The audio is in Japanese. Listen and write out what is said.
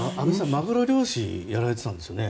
マグロ漁師をやられていたんですよね。